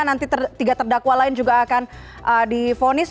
nanti tiga terdakwa lain juga akan difonis